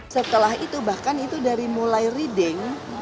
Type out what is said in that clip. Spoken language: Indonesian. setelah itu bahkan itu dari mulai reading